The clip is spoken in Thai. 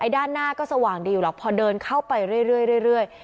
ด้านหน้าก็สว่างดีอยู่หรอกพอเดินเข้าไปเรื่อย